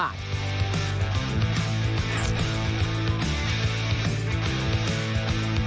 ข้ามไปดูเกียรติศักดิ์กันท่าสุดท้ายก่อน